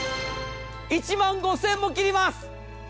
１万５０００円も切ります。